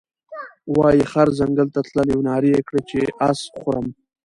وايې خر ځنګل ته تللى وو نارې یې کړې چې اس خورم،